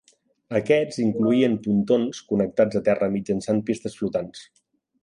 Aquests incloïen pontons connectats a terra mitjançant pistes flotants.